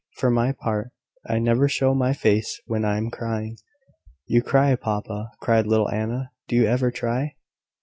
For my part, I never show my face when I am crying." "You cry, papa!" cried little Anna. "Do you ever cry?"